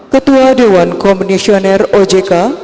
ketua dewan komisioner ojk